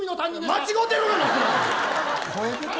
間違ってる！